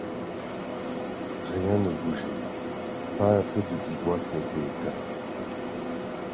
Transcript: Rien ne bougeait; pas un feu de bivouac n'était éteint.